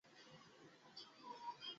বলেছি না, আল্ট্রাসনিকের বুদ্ধিটা কাজ দেবে?